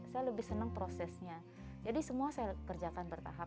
saya lebih senang prosesnya jadi semua saya kerjakan bertahap